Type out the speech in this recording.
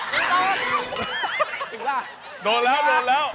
อีกล่ะโดนแล้วโดนแล้ว